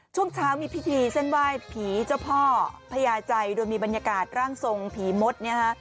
ช่วงเช้ามีพิธีเส้นไหว้ผีเจ้าพ่อพญาใจโดยมีบรรยากาศร่างทรงผีมดเนี่ยฮะ